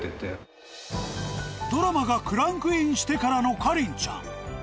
ドラマがクランクインしてからのかりんちゃん